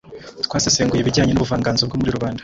Twasesenguye ibijyanye n’ubuvanganzo bwo muri rubanda